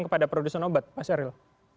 kepada produsen obat mas syahril